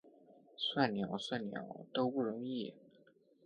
算鸟，算鸟，都不容易！